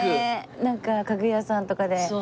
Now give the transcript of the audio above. なんか家具屋さんとかで。